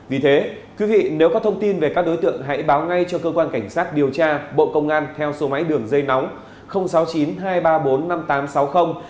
vì thế quý vị nếu có thông tin về các đối tượng hãy báo ngay cho cơ quan cảnh sát điều tra bộ công an theo số máy đường dây nóng